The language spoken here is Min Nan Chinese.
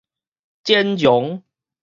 剪絨